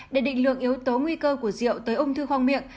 để định lượng yếu tố nguy cơ của rượu tới ung thư khoang miệng